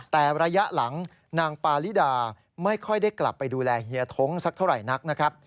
แต่ระยะหลังนางปาลิดาไม่ค่อยได้กลับไปดูแลเฮียท้งสักเท่าไหร่นักนะครับ